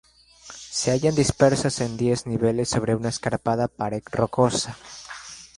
Se hallan dispersas en diez niveles sobre una escarpada pared rocosa.